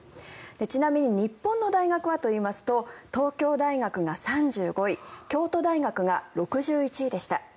ちなみに日本の大学はといいますと東京大学が３５位京都大学が６１位でした。